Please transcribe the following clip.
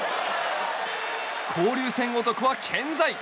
交流戦男は健在。